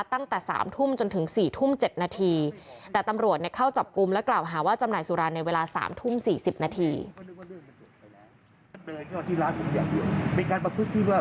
ตั้งแต่สามทุ่มจนถึงสี่ทุ่มเจ็ดนาทีแต่ตำรวจเข้าจับกุมและกร่าวหาว่าจำหน่ายสุราในเวลาสามทุ่มสี่สิบนาที